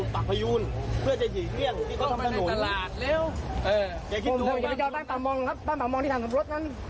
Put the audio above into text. ผมถึงไปยาวตามปากมองอ่ะครับตามปากมองที่ทำกับรถนั้น